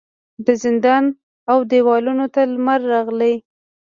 د زندان و دیوالونو ته لمر راغلی